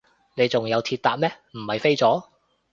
你仲有鐵搭咩，唔係飛咗？